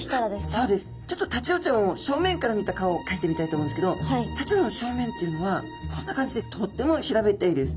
タチウオちゃんを正面から見た顔をかいてみたいと思うんですけどタチウオちゃんの正面っていうのはこんな感じでとっても平べったいです。